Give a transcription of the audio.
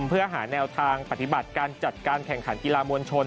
เพื่อหาแนวทางปฏิบัติการจัดการแข่งขันกีฬามวลชน